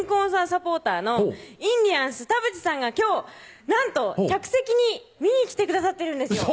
サポーターのインディアンス田渕さんが今日なんと客席に見に来てくださってるんですよ